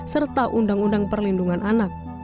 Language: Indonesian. serta undang undang perlindungan anak